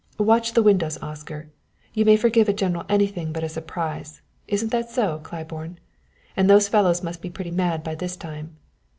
"Watch the windows, Oscar; you may forgive a general anything but a surprise isn't that so, Claiborne? and those fellows must be pretty mad by this time.